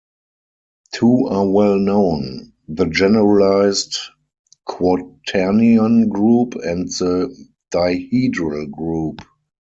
Two are well known, the generalized quaternion group and the dihedral group.